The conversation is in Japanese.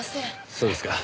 そうですか。